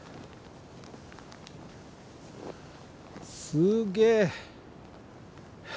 すげえ。